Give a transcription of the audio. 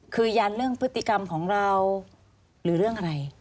คือยันเรื่องพฤติกรรมของเราหรือเรื่องอะไร